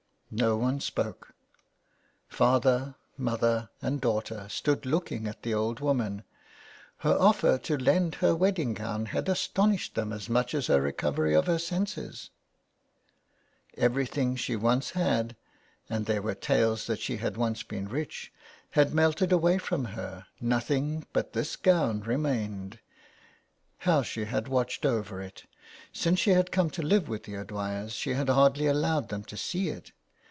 No one spoke ; father, mother, and daughter stood looking at the old woman. Her offer to lend her wedding gown had astonished them as much as her recovery of her senses. Everything she once had, and there were tales that she had once been rich, had melted away from her ; nothing but this gown re mained. How she had watched over it ! Since she had come to live with the O'Dwyers she had hardly allowed them to see it.